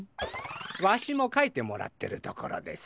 わしもかいてもらってるところです。